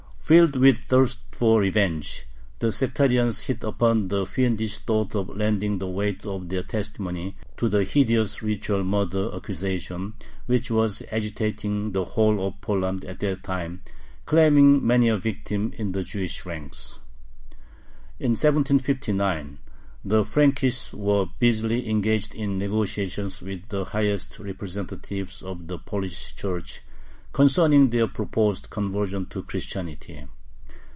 Filled with thirst for revenge, the sectarians hit upon the fiendish thought of lending the weight of their testimony to the hideous ritual murder accusation, which was agitating the whole of Poland at that time, claiming many a victim in the Jewish ranks. In 1759 the Frankists were busily engaged in negotiations with the highest representatives of the Polish Church concerning their proposed conversion to Christianity.